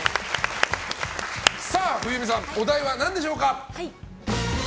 冬美さん、お題は何でしょうか？